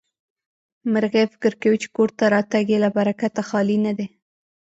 مرغۍ فکر کوي چې کور ته راتګ يې له برکته خالي نه دی.